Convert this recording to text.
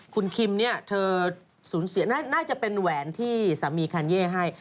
คุณคิมเนี่ยเธอสูญเสียน่าจะเป็นแหวนที่สามีแคนเย่ให้